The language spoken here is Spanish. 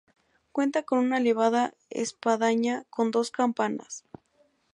Cuenta con una elevada espadaña con dos campanas.